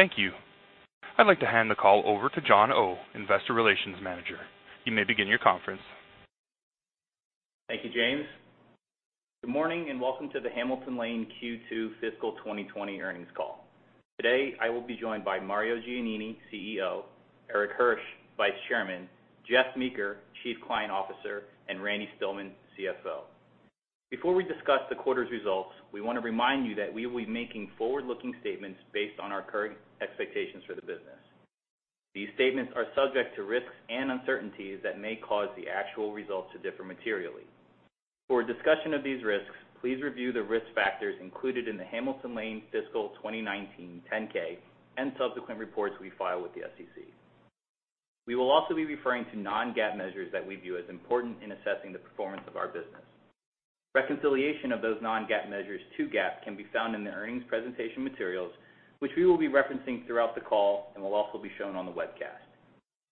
Thank you. I'd like to hand the call over to John Oh, Investor Relations Manager. You may begin your conference. Thank you, James. Good morning, and welcome to the Hamilton Lane Q2 fiscal 2020 earnings call. Today, I will be joined by Mario Giannini, CEO, Erik Hirsch, Vice Chairman, Jeff Meeker, Chief Client Officer, and Randy Stilman, CFO. Before we discuss the quarter's results, we want to remind you that we will be making forward-looking statements based on our current expectations for the business. These statements are subject to risks and uncertainties that may cause the actual results to differ materially. For a discussion of these risks, please review the risk factors included in the Hamilton Lane fiscal 2019 10-K and subsequent reports we file with the SEC. We will also be referring to non-GAAP measures that we view as important in assessing the performance of our business. Reconciliation of those non-GAAP measures to GAAP can be found in the earnings presentation materials, which we will be referencing throughout the call and will also be shown on the webcast.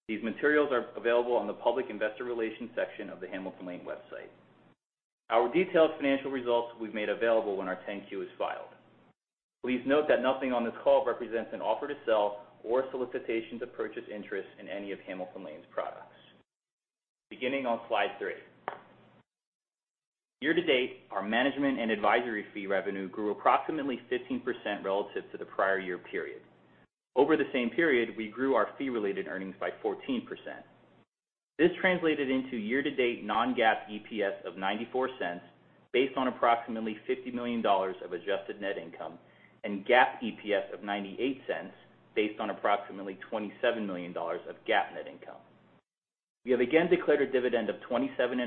These materials are available on the public Investor Relations section of the Hamilton Lane website. Our detailed financial results we've made available when our 10-Q is filed. Please note that nothing on this call represents an offer to sell or solicitation to purchase interest in any of Hamilton Lane's products. Beginning on slide three. Year to date, our management and advisory fee revenue grew approximately 15% relative to the prior year period. Over the same period, we grew our fee-related earnings by 14%. This translated into year-to-date non-GAAP EPS of $0.94, based on approximately $50 million of adjusted net income, and GAAP EPS of $0.98, based on approximately $27 million of GAAP net income. We have again declared a dividend of $0.275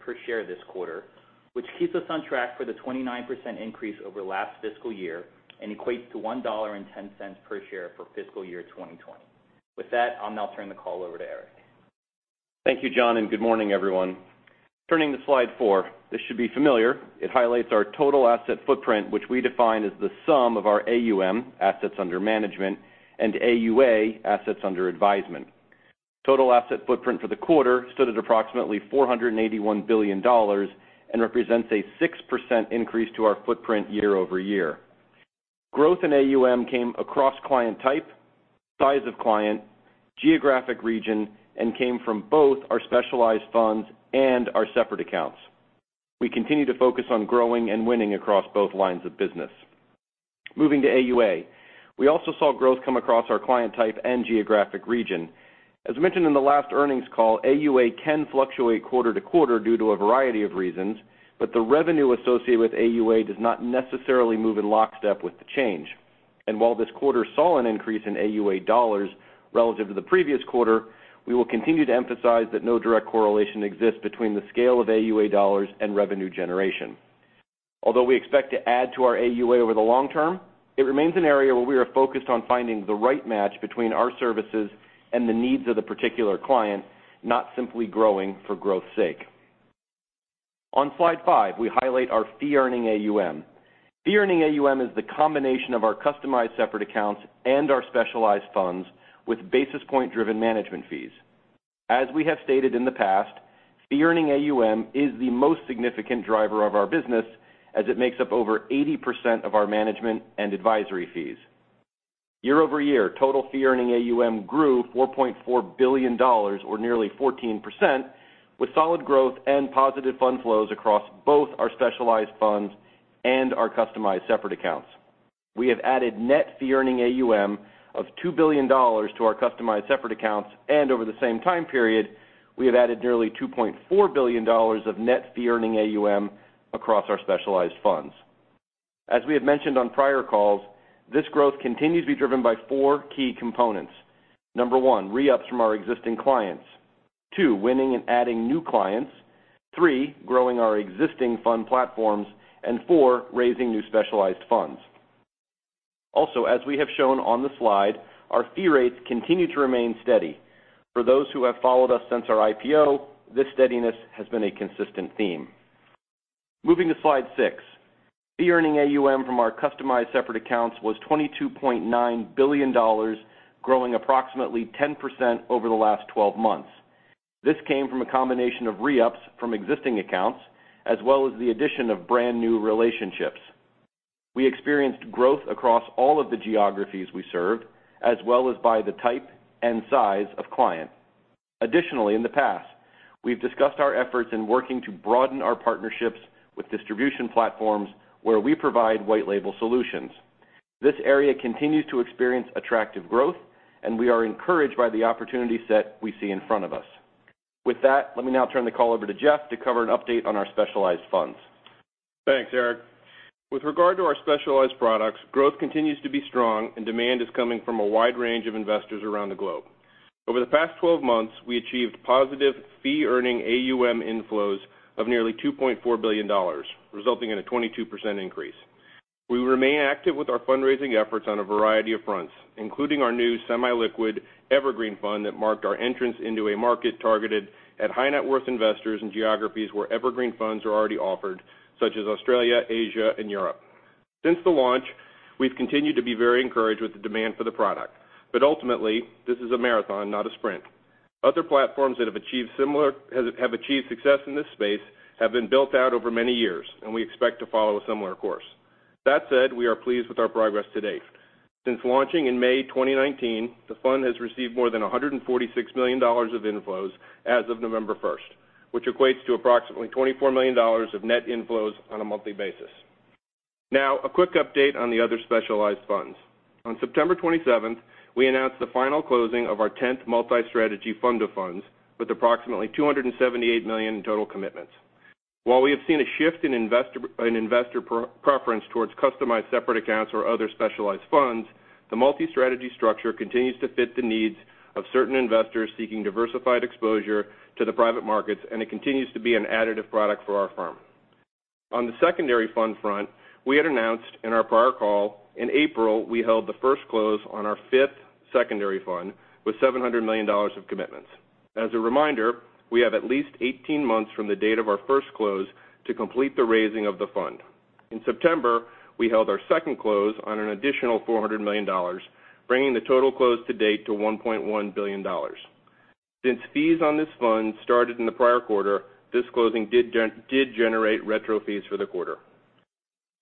per share this quarter, which keeps us on track for the 29% increase over last fiscal year and equates to $1.10 per share for fiscal year 2020. With that, I'll now turn the call over to Eric. Thank you, John, and good morning, everyone. Turning to slide four. This should be familiar. It highlights our total asset footprint, which we define as the sum of our AUM, Assets Under Management, and AUA, Assets Under Advisement. Total asset footprint for the quarter stood at approximately $481 billion and represents a 6% increase to our footprint year over year. Growth in AUM came across client type, size of client, geographic region, and came from both our specialized funds and our separate accounts. We continue to focus on growing and winning across both lines of business. Moving to AUA. We also saw growth come across our client type and geographic region. As mentioned in the last earnings call, AUA can fluctuate quarter to quarter due to a variety of reasons, but the revenue associated with AUA does not necessarily move in lockstep with the change. While this quarter saw an increase in AUA dollars relative to the previous quarter, we will continue to emphasize that no direct correlation exists between the scale of AUA dollars and revenue generation. Although we expect to add to our AUA over the long term, it remains an area where we are focused on finding the right match between our services and the needs of the particular client, not simply growing for growth sake. On slide five, we highlight our fee-earning AUM. Fee-earning AUM is the combination of our customized separate accounts and our specialized funds with basis point-driven management fees. As we have stated in the past, fee-earning AUM is the most significant driver of our business, as it makes up over 80% of our management and advisory fees. Year over year, total fee-earning AUM grew $4.4 billion, or nearly 14%, with solid growth and positive fund flows across both our specialized funds and our customized separate accounts. We have added net fee-earning AUM of $2 billion to our customized separate accounts, and over the same time period, we have added nearly $2.4 billion of net fee-earning AUM across our specialized funds. As we have mentioned on prior calls, this growth continues to be driven by four key components: number one, re-ups from our existing clients; two, winning and adding new clients; three, growing our existing fund platforms; and four, raising new specialized funds. Also, as we have shown on the slide, our fee rates continue to remain steady. For those who have followed us since our IPO, this steadiness has been a consistent theme. Moving to slide six. Fee-Earning AUM from our Customized Separate Accounts was $22.9 billion, growing approximately 10% over the last 12 months. This came from a combination of re-ups from existing accounts, as well as the addition of brand-new relationships. We experienced growth across all of the geographies we served, as well as by the type and size of client. Additionally, in the past, we've discussed our efforts in working to broaden our partnerships with distribution platforms where we provide white label solutions. This area continues to experience attractive growth, and we are encouraged by the opportunity set we see in front of us. With that, let me now turn the call over to Jeff to cover an update on our Specialized Funds. Thanks, Eric. With regard to our specialized products, growth continues to be strong, and demand is coming from a wide range of investors around the globe. Over the past 12 months, we achieved positive fee-earning AUM inflows of nearly $2.4 billion, resulting in a 22% increase. We remain active with our fundraising efforts on a variety of fronts, including our new semi-liquid Evergreen Fund that marked our entrance into a market targeted at high-net-worth investors in geographies where Evergreen funds are already offered, such as Australia, Asia, and Europe. Since the launch, we've continued to be very encouraged with the demand for the product, but ultimately, this is a marathon, not a sprint.... Other platforms that have achieved similar success in this space have been built out over many years, and we expect to follow a similar course. That said, we are pleased with our progress to date. Since launching in May 2019, the fund has received more than $146 million of inflows as of November 1, which equates to approximately $24 million of net inflows on a monthly basis. Now, a quick update on the other specialized funds. On September 27, we announced the final closing of our tenth multi-strategy fund of funds, with approximately $278 million in total commitments. While we have seen a shift in investor preference towards customized separate accounts or other specialized funds, the multi-strategy structure continues to fit the needs of certain investors seeking diversified exposure to the private markets, and it continues to be an additive product for our firm. On the secondary fund front, we had announced in our prior call, in April, we held the first close on our fifth secondary fund with $700 million of commitments. As a reminder, we have at least 18 months from the date of our first close to complete the raising of the fund. In September, we held our second close on an additional $400 million, bringing the total close to date to $1.1 billion. Since fees on this fund started in the prior quarter, this closing did generate retro fees for the quarter.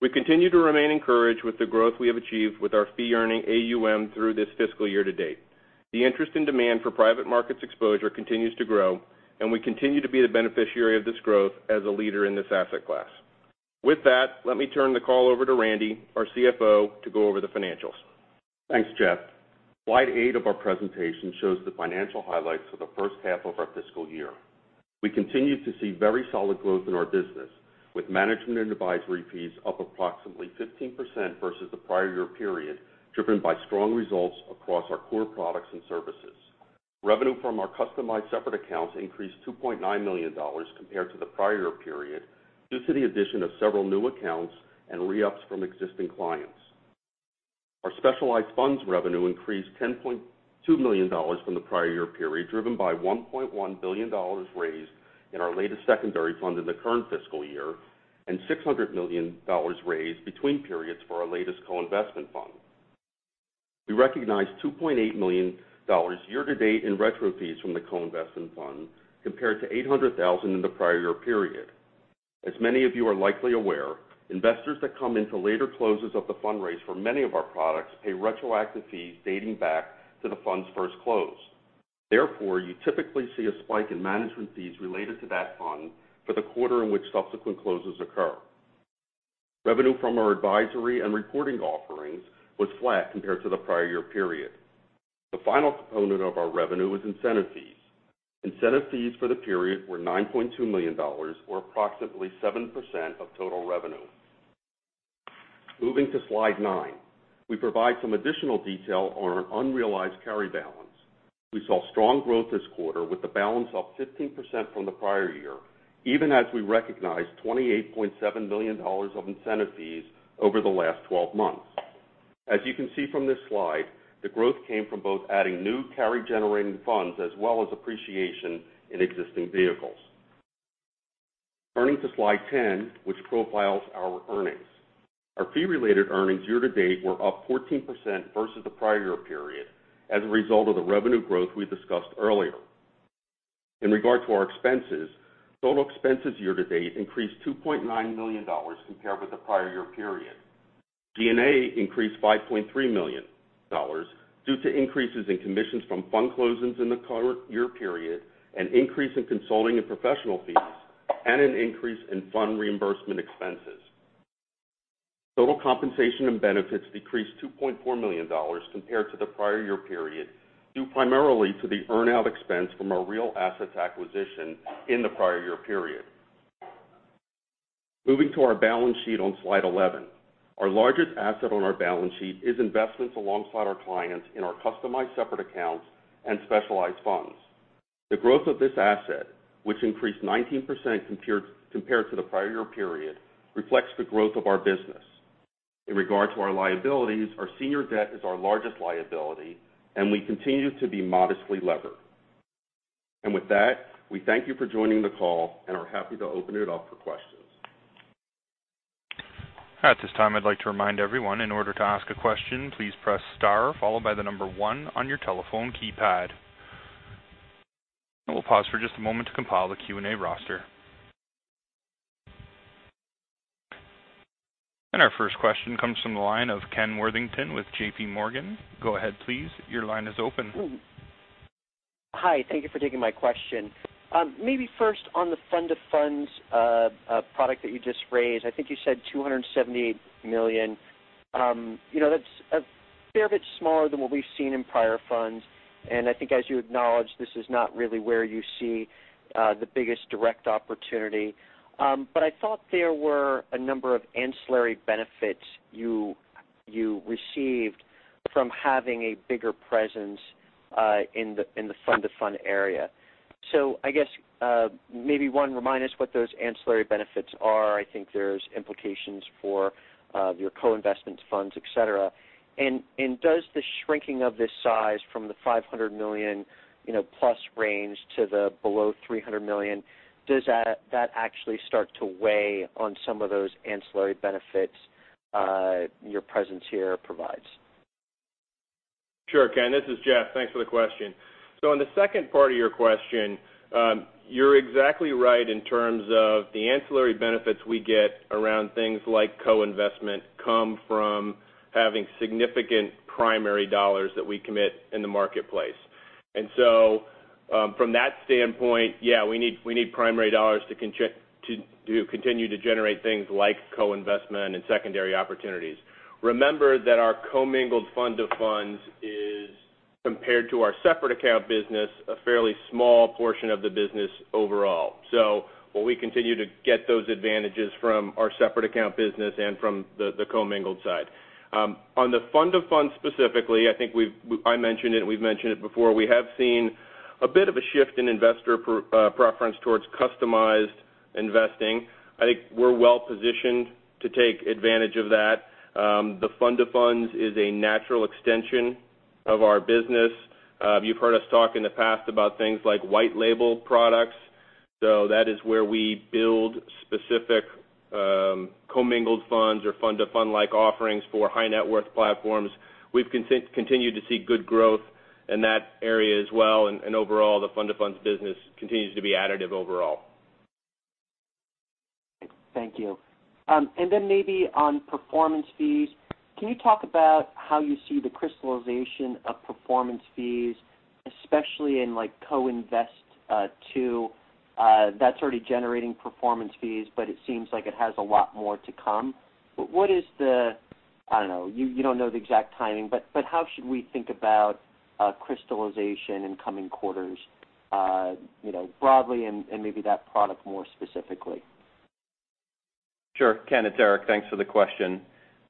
We continue to remain encouraged with the growth we have achieved with our fee-earning AUM through this fiscal year to date. The interest and demand for private markets exposure continues to grow, and we continue to be the beneficiary of this growth as a leader in this asset class. With that, let me turn the call over to Randy, our CFO, to go over the financials. Thanks, Jeff. Slide eight of our presentation shows the financial highlights for the first half of our fiscal year. We continue to see very solid growth in our business, with management and advisory fees up approximately 15% versus the prior year period, driven by strong results across our core products and services. Revenue from our customized separate accounts increased $2.9 million compared to the prior year period, due to the addition of several new accounts and re-ups from existing clients. Our specialized funds revenue increased $10.2 million from the prior year period, driven by $1.1 billion raised in our latest secondary fund in the current fiscal year, and $600 million raised between periods for our latest co-investment fund. We recognized $2.8 million year to date in retro fees from the co-investment fund, compared to $800,000 in the prior year period. As many of you are likely aware, investors that come into later closes of the fundraise for many of our products pay retroactive fees dating back to the fund's first close. Therefore, you typically see a spike in management fees related to that fund for the quarter in which subsequent closes occur. Revenue from our advisory and reporting offerings was flat compared to the prior year period. The final component of our revenue was incentive fees. Incentive fees for the period were $9.2 million, or approximately 7% of total revenue. Moving to slide nine, we provide some additional detail on our unrealized carry balance. We saw strong growth this quarter, with the balance up 15% from the prior year, even as we recognized $28.7 million of incentive fees over the last twelve months. As you can see from this slide, the growth came from both adding new carry-generating funds as well as appreciation in existing vehicles. Turning to slide 10, which profiles our earnings. Our fee-related earnings year to date were up 14% versus the prior year period as a result of the revenue growth we discussed earlier. In regard to our expenses, total expenses year to date increased $2.9 million compared with the prior year period. G&A increased $5.3 million due to increases in commissions from fund closings in the current year period, an increase in consulting and professional fees, and an increase in fund reimbursement expenses. Total compensation and benefits decreased $2.4 million compared to the prior year period, due primarily to the earn-out expense from our real assets acquisition in the prior year period. Moving to our balance sheet on slide 11. Our largest asset on our balance sheet is investments alongside our clients in our customized separate accounts and specialized funds. The growth of this asset, which increased 19% compared to the prior year period, reflects the growth of our business. In regard to our liabilities, our senior debt is our largest liability, and we continue to be modestly levered. With that, we thank you for joining the call and are happy to open it up for questions. At this time, I'd like to remind everyone, in order to ask a question, please press star followed by the number one on your telephone keypad, and we'll pause for just a moment to compile the Q&A roster, and our first question comes from the line of Ken Worthington with J.P. Morgan. Go ahead, please. Your line is open. Hi. Thank you for taking my question. Maybe first on the fund of funds product that you just raised, I think you said $278 million. You know, that's a fair bit smaller than what we've seen in prior funds, and I think, as you acknowledged, this is not really where you see the biggest direct opportunity, but I thought there were a number of ancillary benefits you received from having a bigger presence in the fund of funds area, so I guess, maybe, one, remind us what those ancillary benefits are. I think there's implications for your co-investment funds, et cetera, and does the shrinking of this size from the $500 million, you know, plus range to the below $300 million, does that actually start to weigh on some of those ancillary benefits? Your presence here provides? Sure, Ken, this is Jeff. Thanks for the question. So on the second part of your question, you're exactly right in terms of the ancillary benefits we get around things like co-investment come from having significant primary dollars that we commit in the marketplace. And so, from that standpoint, yeah, we need primary dollars to continue to generate things like co-investment and secondary opportunities. Remember that our commingled fund-of-funds is, compared to our separate account business, a fairly small portion of the business overall. So while we continue to get those advantages from our separate account business and from the commingled side. On the fund-of-funds specifically, I think we've I mentioned it, and we've mentioned it before, we have seen a bit of a shift in investor preference towards customized investing. I think we're well positioned to take advantage of that. The fund of funds is a natural extension of our business. You've heard us talk in the past about things like white label products. So that is where we build specific, commingled funds or fund of fund like offerings for high net worth platforms. We've continued to see good growth in that area as well, and overall, the fund of funds business continues to be additive overall. Thank you. And then maybe on performance fees, can you talk about how you see the crystallization of performance fees, especially in, like, Co-Invest II? That's already generating performance fees, but it seems like it has a lot more to come. What is the... I don't know, you don't know the exact timing, but how should we think about crystallization in coming quarters, you know, broadly and, and maybe that product more specifically? Sure. Ken, it's Eric. Thanks for the question.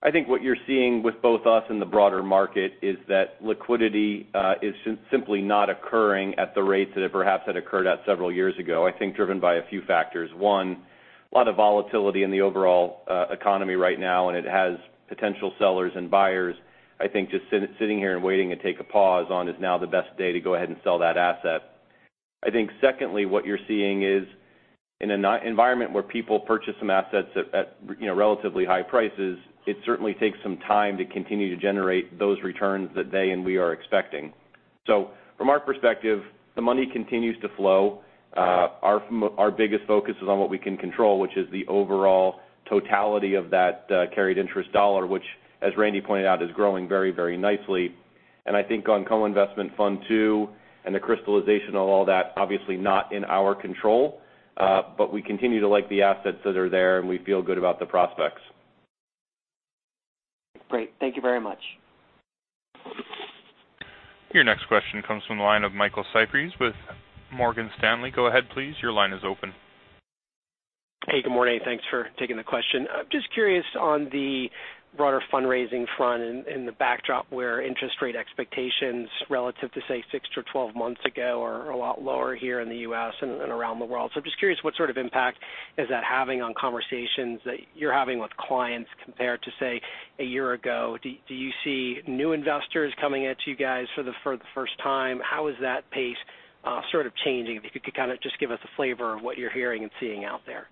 I think what you're seeing with both us and the broader market is that liquidity is simply not occurring at the rates that it perhaps had occurred at several years ago, I think, driven by a few factors. One, a lot of volatility in the overall economy right now, and it has potential sellers and buyers, I think, just sitting here and waiting to take a pause on, is now the best day to go ahead and sell that asset. I think secondly, what you're seeing is in an environment where people purchase some assets at, you know, relatively high prices, it certainly takes some time to continue to generate those returns that they and we are expecting. So from our perspective, the money continues to flow. Our biggest focus is on what we can control, which is the overall totality of that, carried interest dollar, which, as Randy pointed out, is growing very, very nicely. And I think on Co-Investment Fund II and the crystallization of all that, obviously not in our control, but we continue to like the assets that are there, and we feel good about the prospects. Great. Thank you very much. Your next question comes from the line of Michael Cyprys with Morgan Stanley. Go ahead, please. Your line is open. Hey, good morning. Thanks for taking the question. I'm just curious on the broader fundraising front and the backdrop where interest rate expectations relative to, say, six to 12 months ago are a lot lower here in the U.S. and around the world. So just curious, what sort of impact is that having on conversations that you're having with clients compared to, say, a year ago? Do you see new investors coming at you guys for the first time? How is that pace sort of changing? If you could kind of just give us a flavor of what you're hearing and seeing out there.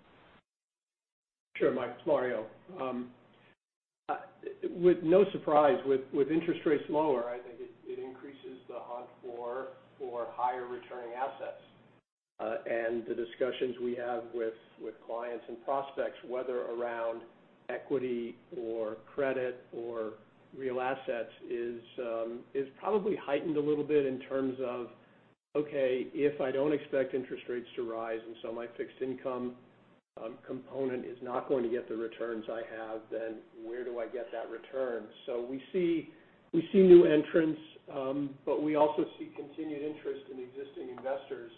Sure, Mike, it's Mario. With no surprise, with interest rates lower, I think it increases the hunt for higher returning assets. And the discussions we have with clients and prospects, whether around equity or credit or real assets, is probably heightened a little bit in terms of, okay, if I don't expect interest rates to rise, and so my fixed income component is not going to get the returns I have, then where do I get that return? So we see new entrants, but we also see continued interest in existing investors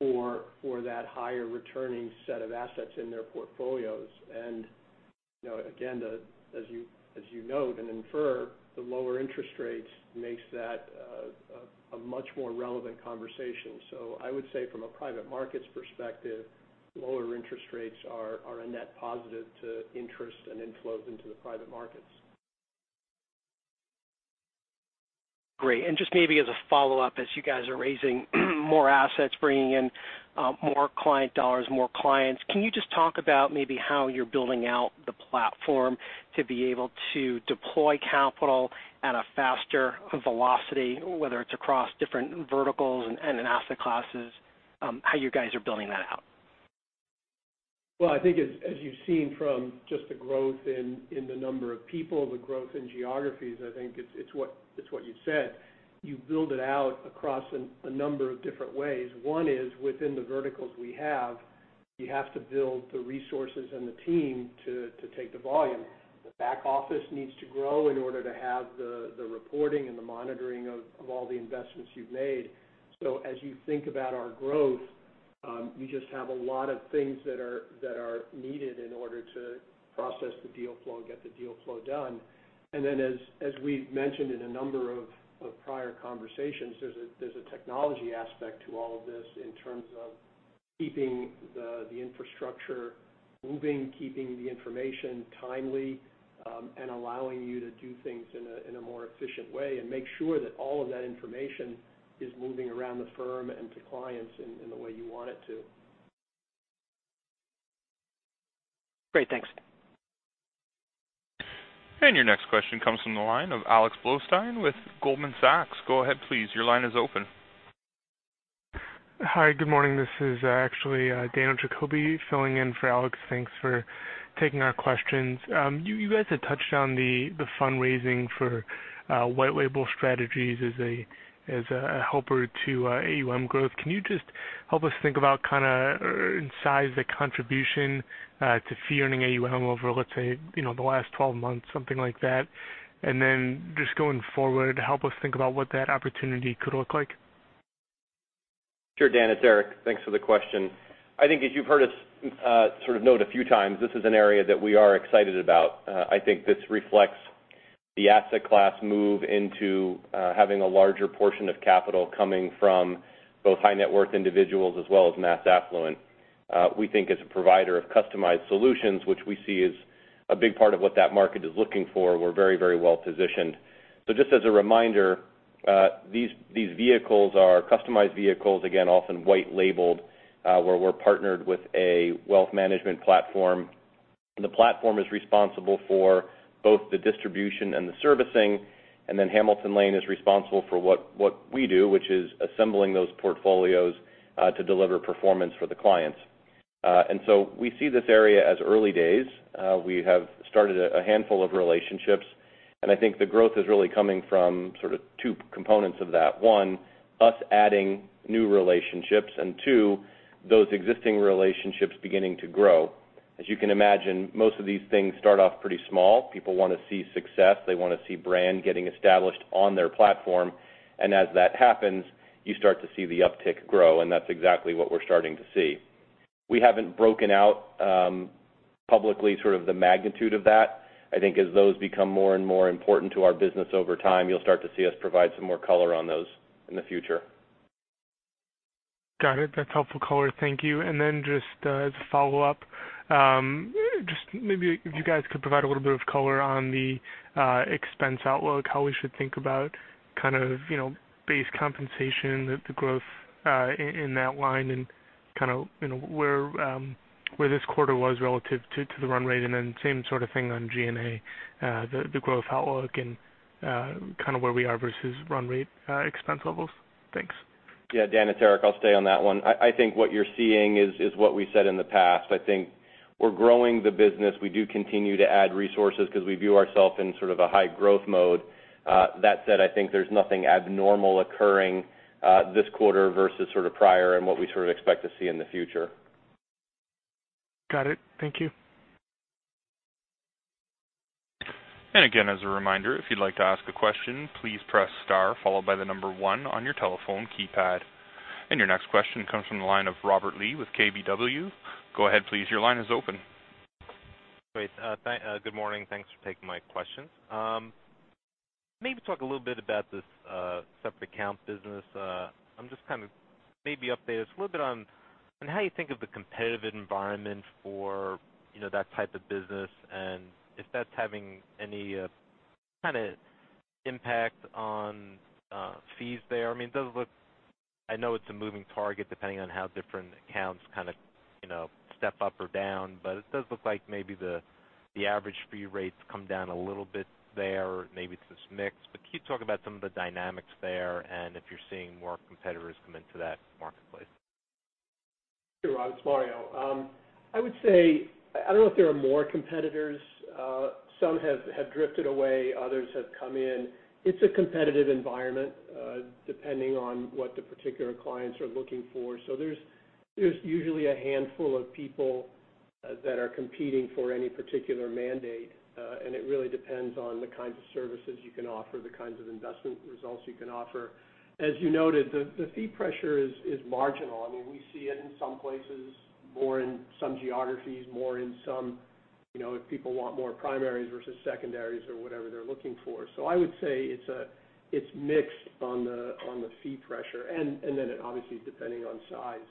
for that higher returning set of assets in their portfolios. And, you know, again, as you note and infer, the lower interest rates makes that a much more relevant conversation. I would say from a private markets perspective, lower interest rates are a net positive to interest and inflows into the private markets. Great. And just maybe as a follow-up, as you guys are raising more assets, bringing in more client dollars, more clients, can you just talk about maybe how you're building out the platform to be able to deploy capital at a faster velocity, whether it's across different verticals and asset classes, how you guys are building that out? I think as you've seen from just the growth in the number of people, the growth in geographies, I think it's what you said. You build it out across a number of different ways. One is, within the verticals we have, you have to build the resources and the team to take the volume. The back office needs to grow in order to have the reporting and the monitoring of all the investments you've made. So as you think about our growth, you just have a lot of things that are needed in order to process the deal flow and get the deal flow done. And then as we've mentioned in a number of prior conversations, there's a technology aspect to all of this in terms of keeping the infrastructure moving, keeping the information timely, and allowing you to do things in a more efficient way, and make sure that all of that information is moving around the firm and to clients in the way you want it to. Great, thanks. Your next question comes from the line of Alex Blostein with Goldman Sachs. Go ahead, please. Your line is open. Hi, good morning. This is actually Dan Jacoby filling in for Alex. Thanks for taking our questions. You guys had touched on the fundraising for white label strategies as a helper to AUM growth. Can you just help us think about kind of or size the contribution to fee earning AUM over, let's say, you know, the last twelve months, something like that? And then just going forward, help us think about what that opportunity could look like. Sure, Dan, it's Eric. Thanks for the question. I think as you've heard us sort of note a few times, this is an area that we are excited about. I think this reflects the asset class move into having a larger portion of capital coming from both high net worth individuals as well as mass affluent. We think as a provider of customized solutions, which we see as a big part of what that market is looking for, we're very, very well positioned. So just as a reminder, these vehicles are customized vehicles, again, often white labeled, where we're partnered with a wealth management platform. The platform is responsible for both the distribution and the servicing, and then Hamilton Lane is responsible for what we do, which is assembling those portfolios to deliver performance for the clients. And so we see this area as early days. We have started a handful of relationships, and I think the growth is really coming from sort of two components of that. One, us adding new relationships, and two, those existing relationships beginning to grow. As you can imagine, most of these things start off pretty small. People want to see success. They want to see brand getting established on their platform, and as that happens, you start to see the uptick grow, and that's exactly what we're starting to see. We haven't broken out publicly, sort of the magnitude of that. I think as those become more and more important to our business over time, you'll start to see us provide some more color on those in the future. Got it. That's helpful color. Thank you. And then just as a follow-up, just maybe if you guys could provide a little bit of color on the expense outlook, how we should think about kind of, you know, base compensation, the growth in that line, and kind of, you know, where this quarter was relative to the run rate, and then same sort of thing on G&A, the growth outlook and kind of where we are versus run rate expense levels. Thanks. Yeah, Dan, it's Eric. I'll stay on that one. I think what you're seeing is what we said in the past. I think we're growing the business. We do continue to add resources because we view ourselves in sort of a high growth mode. That said, I think there's nothing abnormal occurring this quarter versus sort of prior and what we sort of expect to see in the future. Got it. Thank you. And again, as a reminder, if you'd like to ask a question, please press star followed by the number one on your telephone keypad. And your next question comes from the line of Robert Lee with KBW. Go ahead, please. Your line is open. Great. Good morning. Thanks for taking my questions. Maybe talk a little bit about this separate account business. I'm just kind of maybe update us a little bit on how you think of the competitive environment for, you know, that type of business, and if that's having any kind of impact on fees there. I mean, it does look... I know it's a moving target, depending on how different accounts kind of, you know, step up or down, but it does look like maybe the average fee rates come down a little bit there. Maybe it's this mix, but can you talk about some of the dynamics there and if you're seeing more competitors come into that marketplace? Sure, Rob, it's Mario. I would say, I don't know if there are more competitors. Some have drifted away, others have come in. It's a competitive environment, depending on what the particular clients are looking for. So there's usually a handful of people that are competing for any particular mandate, and it really depends on the kinds of services you can offer, the kinds of investment results you can offer. As you noted, the fee pressure is marginal. I mean, we see it in some places, more in some geographies, more in some, you know, if people want more primaries versus secondaries or whatever they're looking for. So I would say it's mixed on the fee pressure, and then it obviously depending on size.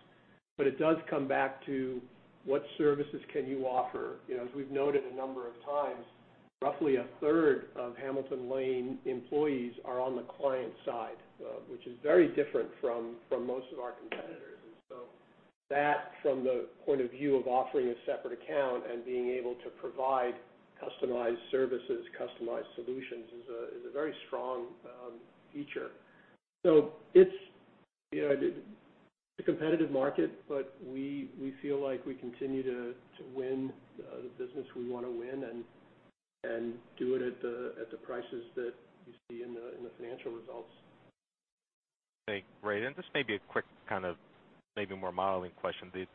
But it does come back to what services can you offer? You know, as we've noted a number of times, roughly a third of Hamilton Lane employees are on the client side, which is very different from most of our competitors. And so that from the point of view of offering a separate account and being able to provide customized services, customized solutions, is a very strong feature. So it's, you know, a competitive market, but we feel like we continue to win the business we want to win and do it at the prices that you see in the financial results. Okay, great. And just maybe a quick kind of maybe more modeling question. The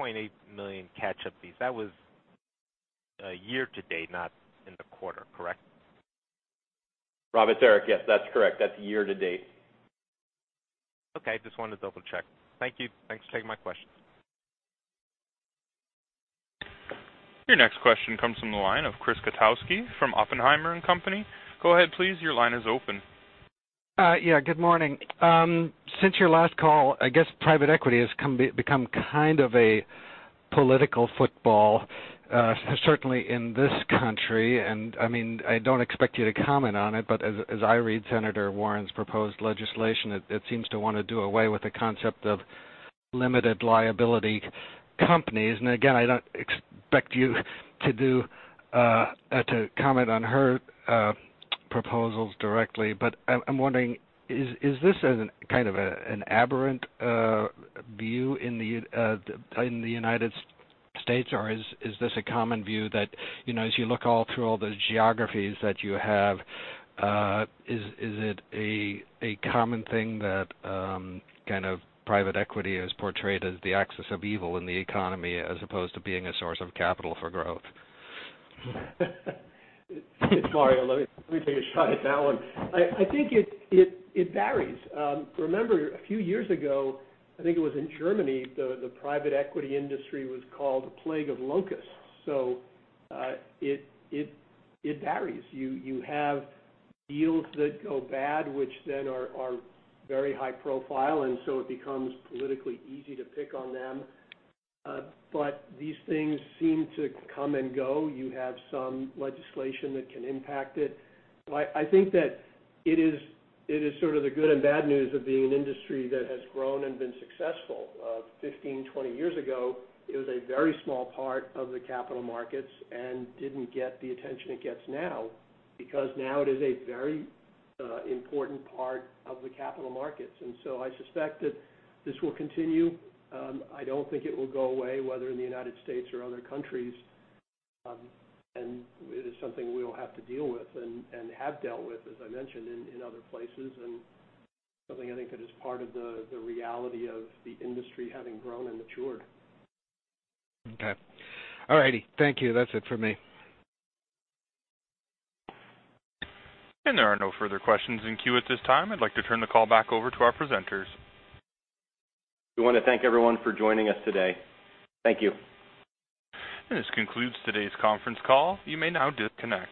$2.8 million catch-up fees, that was a year to date, not in the quarter, correct? Rob, it's Eric. Yes, that's correct. That's year to date. Okay, just wanted to double-check. Thank you. Thanks for taking my questions. Your next question comes from the line of Chris Kotowski from Oppenheimer & Co. Go ahead, please. Your line is open. Yeah, good morning. Since your last call, I guess private equity has become kind of a political football, certainly in this country. And I mean, I don't expect you to comment on it, but as I read Senator Warren's proposed legislation, it seems to want to do away with the concept of limited liability companies. And again, I don't expect you to do to comment on her proposals directly, but I'm wondering, is this a kind of an aberrant view in the United States, or is this a common view that, you know, as you look through all the geographies that you have, is it a common thing that kind of private equity is portrayed as the axis of evil in the economy, as opposed to being a source of capital for growth? Sorry, let me take a shot at that one. I think it varies. Remember, a few years ago, I think it was in Germany, the private equity industry was called the Plague of Locusts. So, it varies. You have deals that go bad, which then are very high profile, and so it becomes politically easy to pick on them. But these things seem to come and go. You have some legislation that can impact it. I think that it is sort of the good and bad news of being an industry that has grown and been successful. Fifteen, twenty years ago, it was a very small part of the capital markets and didn't get the attention it gets now, because now it is a very important part of the capital markets. And so I suspect that this will continue. I don't think it will go away, whether in the United States or other countries. And it is something we will have to deal with and have dealt with, as I mentioned, in other places, and something I think that is part of the reality of the industry having grown and matured. Okay. All righty. Thank you. That's it for me. There are no further questions in queue at this time. I'd like to turn the call back over to our presenters. We want to thank everyone for joining us today. Thank you. This concludes today's conference call. You may now disconnect.